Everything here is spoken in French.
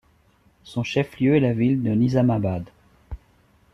Son chef-lieu est la ville de Nizamabad.